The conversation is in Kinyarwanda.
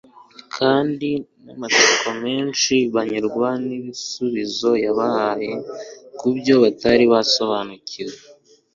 kandi n’amatsiko menshi banyurwa n’ibisubizo yabahaye ku byo batari basobanukiwe